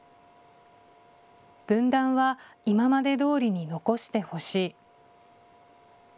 分団は今までどおりに残してほしい。